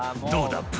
「どうだ？